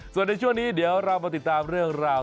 ส่วนในช่วงนี้เดี๋ยวเรามาติดตามเรื่องราว